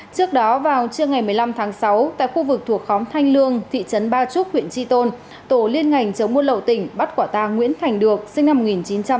trước đó vào trưa ngày một mươi năm tháng sáu tại khu vực thuộc khóm thanh lương thị trấn ba trúc huyện tri tôn tổ liên ngành chống buôn lậu tỉnh bắt quả ta nguyễn thành được sinh năm một nghìn chín trăm tám mươi